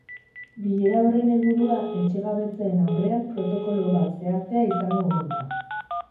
Bilera horren helburua etxegabetzeen aurrean protokolo bat zehaztea izango omen da.